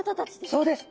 そうです！